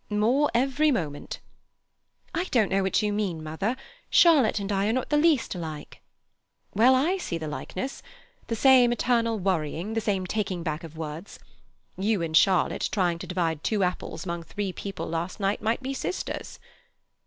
"More every moment." "I don't know what you mean, mother; Charlotte and I are not the very least alike." "Well, I see the likeness. The same eternal worrying, the same taking back of words. You and Charlotte trying to divide two apples among three people last night might be sisters."